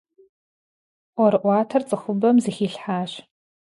Блокчейн технологии применялись для обеспечения прозрачности и безопасности транзакций.